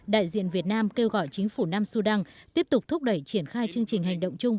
đại diện việt nam kêu gọi chính phủ nam sudan tiếp tục thúc đẩy triển khai chương trình hành động chung